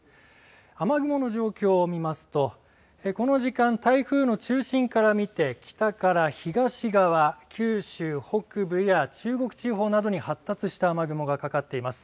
雨雲の状況を見ますとこの時間台風の中心から見て北から東側は九州北部や中国地方などに発達した雨雲がかかっています。